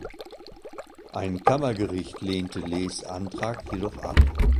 Ein Kammergericht lehnte Lees Antrag jedoch ab.